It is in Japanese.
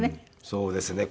そうですね。